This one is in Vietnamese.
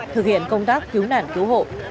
thực hiện công tác cứu nản cứu hộ